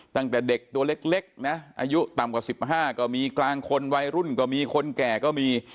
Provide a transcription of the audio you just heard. ตั้งแต่เด็กตัวเล็กนะอายุต่ำกว่า๑๕ก็มีกลางคนวัยรุ่นก็มีคนแก่ก็มี